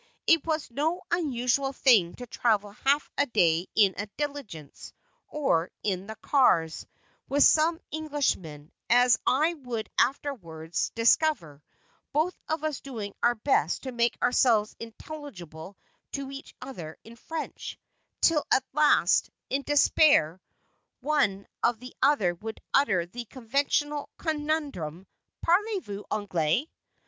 It was no unusual thing to travel half a day in a "diligence," or in the cars, with some Englishman, as I would afterwards discover, both of us doing our best to make ourselves intelligible to each other in French, till at last, in despair, one or the other would utter the conventional conundrum: "_Parlez vous Anglais?